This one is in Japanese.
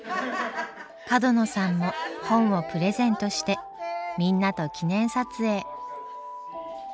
角野さんも本をプレゼントしてみんなと記念撮影。